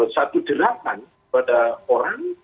satu derapan pada orang